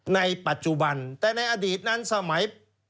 ในปัจจุบันแต่ในอดีตนั้นสมัย